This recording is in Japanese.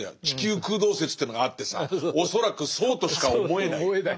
地球空洞説というのがあってさ恐らくそうとしか思えない」。